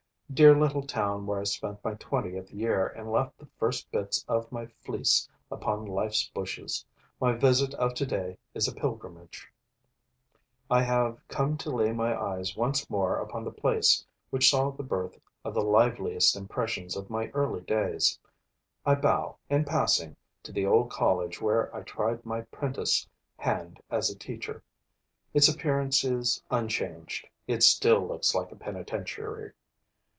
Dear little town where I spent my twentieth year and left the first bits of my fleece upon life's bushes, my visit of today is a pilgrimage; I have come to lay my eyes once more upon the place which saw the birth of the liveliest impressions of my early days. I bow, in passing, to the old college where I tried my prentice hand as a teacher. Its appearance is unchanged; it still looks like a penitentiary.